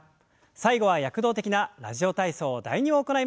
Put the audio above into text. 最後は躍動的な「ラジオ体操第２」を行います。